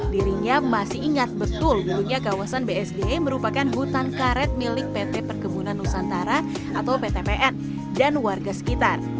dirinya masih ingat betul dulunya kawasan bsd merupakan hutan karet milik pt perkebunan nusantara atau ptpn dan warga sekitar